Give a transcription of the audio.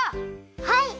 はい！